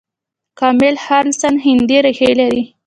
کاملا هاریس هندي ریښې لري.